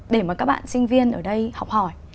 để mà các bạn sinh viên ở đây học hỏi